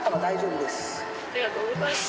ありがとうございます。